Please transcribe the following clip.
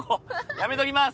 やめときます！